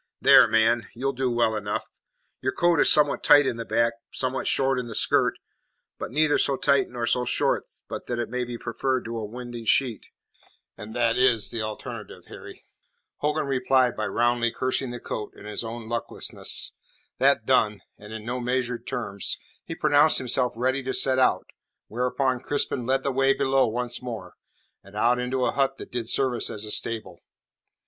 "There, man, you'll do well enough. Your coat is somewhat tight in the back, somewhat short in the skirt; but neither so tight nor so short but that it may be preferred to a winding sheet, and that is the alternative, Harry." Hogan replied by roundly cursing the coat and his own lucklessness. That done and in no measured terms he pronounced himself ready to set out, whereupon Crispin led the way below once more, and out into a hut that did service as a stable.